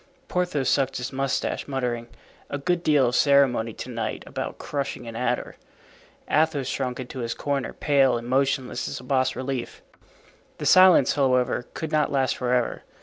Porthos sucked his mustache, muttering, "A good deal of ceremony to night about crushing an adder." Athos shrunk into his corner, pale and motionless as a bas relief. The silence, however, could not last forever.